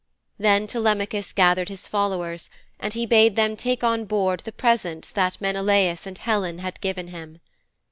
Then Telemachus gathered his followers, and he bade them take on board the presents that Menelaus and Helen had given him.